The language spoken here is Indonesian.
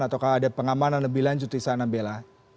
ataukah ada pengamanan lebih lanjut di sana bella